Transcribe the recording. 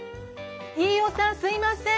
飯尾さんすいません。